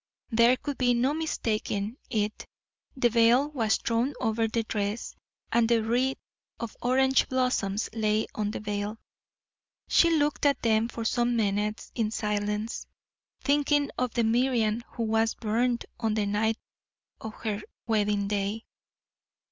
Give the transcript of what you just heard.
There could be no mistaking it; the veil was thrown over the dress, and the wreath of orange blossoms lay on the veil. She looked at them for some minutes in silence, thinking of the Miriam who was burned on the night of her wedding day.